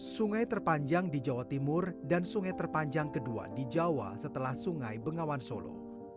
sungai terpanjang di jawa timur dan sungai terpanjang kedua di jawa setelah sungai bengawan solo